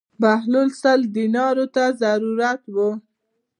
بهلول سل دینارو ته ضرورت و.